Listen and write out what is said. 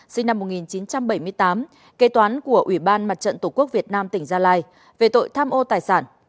sinh năm một nghìn chín trăm bảy mươi tám kế toán của ủy ban mặt trận tổ quốc việt nam tỉnh gia lai về tội tham ô tài sản